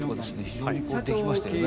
非常にできましたよね。